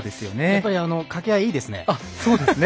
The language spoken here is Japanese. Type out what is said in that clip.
やっぱり掛け合いいいですね。